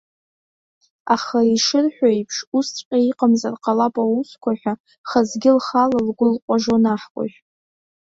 Аха, ишырҳәо аиԥш, усҵәҟьа иҟамзар ҟалап аусқәа ҳәа хазгьы лхала лгәы лҟажон аҳкәажә.